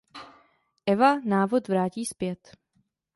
Eva návod vrátí zpět.